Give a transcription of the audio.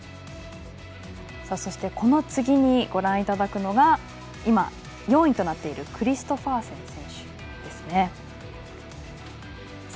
そして、次にご覧いただくのが４位となっているクリストファーセン選手です。